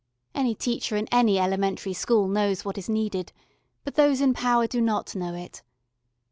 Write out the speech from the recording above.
Any teacher in any elementary school knows what is needed, but those in power do not know it.